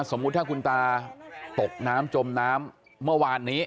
สมมุติถ้าคุณตาตกน้ำจมน้ำเมื่อวานนี้